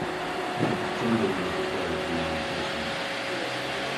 Genden was declared a non-person.